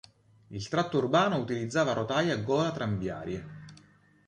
Il tratto urbano utilizzava rotaie a gola tranviarie.